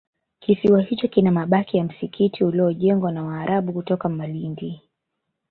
kisiwa hicho kina mabaki ya msikiti uliojengwa na Waarabu kutoka Malindi